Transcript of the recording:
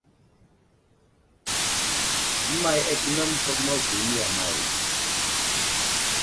Əmay atəmeŋ məfakoma vo i iya may ?